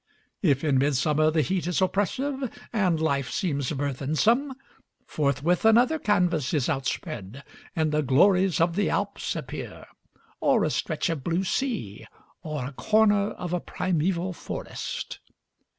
If in midsummer the heat is oppressive and life seems burthensome, forthwith another canvas is outspread, and the glories of the Alps appear, or a stretch of blue sea, or a corner of a primeval forest.